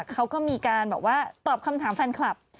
เขาก็มีการแบบว่าตอบคำถามแฟนคลับ